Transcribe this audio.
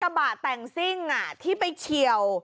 กระบาดแต่งซิ่งที่ไปเฉียว